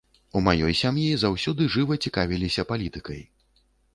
У маёй сям'і заўсёды жыва цікавіліся палітыкай.